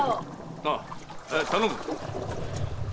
ああ頼む。